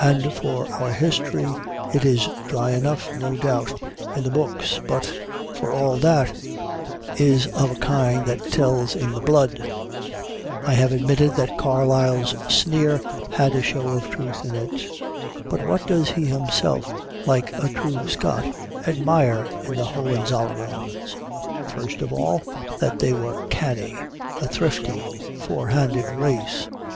And for our history, it is dry enough, no doubt, in the books, but, for all that, is of a kind that tells in the blood. I have admitted that Carlyle's sneer had a show of truth in it. But what does he himself, like a true Scot, admire in the Hohenzollerns? First of all, that they were canny, a thrifty, forehanded race.